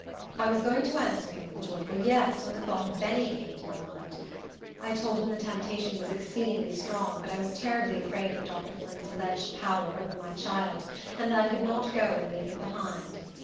I was going to answer him with a joyful yes, when the thought of Benny came to my mind. I told him the temptation was exceedingly strong, but I was terribly afraid of Dr. Flint's alleged power over my child, and that I could not go and leave him behind.